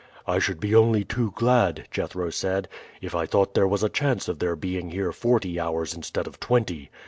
"I should be only too glad," Jethro said, "if I thought there was a chance of their being here forty hours instead of twenty.